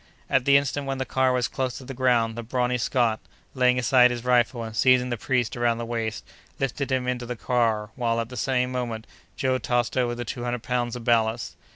At the instant when the car was close to the ground, the brawny Scot, laying aside his rifle, and seizing the priest around the waist, lifted him into the car, while, at the same moment, Joe tossed over the two hundred pounds of ballast.